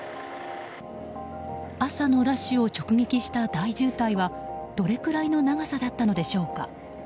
朝のラッシュを直撃した大渋滞はどれくらいの長さだったのでしょうか。